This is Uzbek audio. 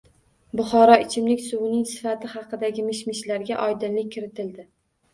Buxoro ichimlik suvining sifati haqidagi mish-mishlarga oydinlik kiritildi